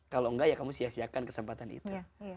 kalau enggak ya kamu sia siakan kesempatan itu